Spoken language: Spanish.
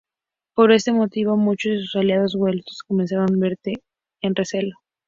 Por este motivo, muchos de sus aliados güelfos comenzaron a verle con recelo.